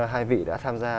hai vị đã tham gia